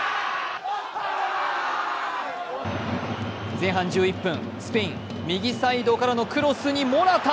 前半１１分、スペイン、右サイドからのクロスにモラタ。